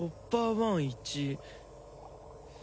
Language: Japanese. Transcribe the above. １「１」。